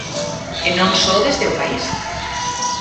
E non só desde o país.